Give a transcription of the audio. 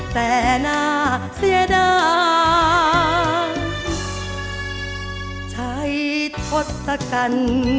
แต่หน้าเสียดาย